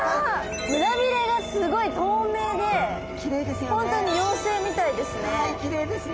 胸鰭がすごい透明で本当にはいきれいですね。